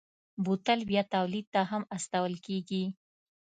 بوتل بیا تولید ته هم استول کېږي.